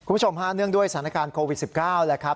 คุณผู้ชมฮะเนื่องด้วยสถานการณ์โควิด๑๙แหละครับ